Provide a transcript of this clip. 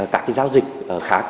các giao dịch khác